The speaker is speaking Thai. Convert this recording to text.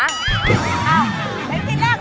เห็นกินแรกก่อน